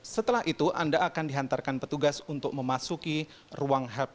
setelah itu anda akan dihantarkan petugas untuk memasuki ruang happ